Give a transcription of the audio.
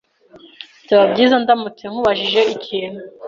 Byaba byiza ndamutse nkubajije ikintu?